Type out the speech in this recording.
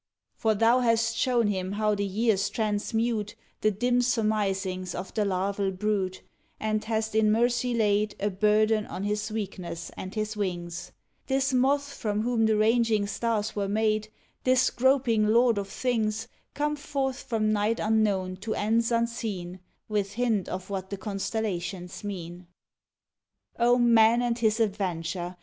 For thou hast shown him how the years transmute The dim surmisings of the larval brute, And hast in mercy laid A burden on his weakness and his wings This moth for whom the ranging stars were made, This groping lord of things, Come forth from night unknown to ends unseen, With hint of what the constellations mean. O man and his Adventure!